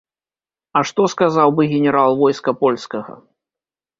А што сказаў бы генерал войска польскага?